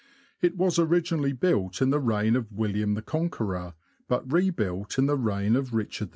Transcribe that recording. It was originally built in the reign of William the Conqueror, but rebuilt in the reign of Richard II.